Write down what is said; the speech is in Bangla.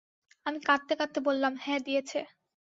আমি কাঁদতে কাঁদতে বললাম, হ্যাঁ, দিয়েছে।